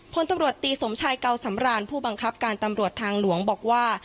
พลตำรวจตีสมชายเก่าสำรานผู้บังคับการตำรวจทางหลวงบอกว่า